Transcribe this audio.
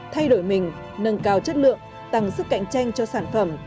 thay đổi mình nâng cao chất lượng tăng sức cạnh tranh cho sản phẩm